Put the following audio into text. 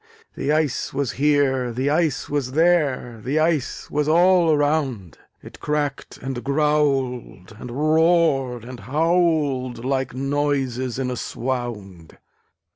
The ice was here, the ice was there, The ice was all around: It cracked and growled, and roared and howled, Like noises in a swound!